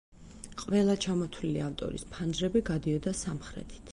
ყველა ჩამოთვლილი ავტორის ფანჯრები გადიოდა სამხრეთით.